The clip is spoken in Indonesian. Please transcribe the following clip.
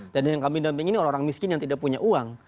dan yang kami menampingi ini orang orang miskin yang tidak punya uang